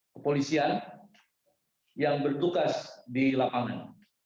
kepolisian yang bertugas di lapangan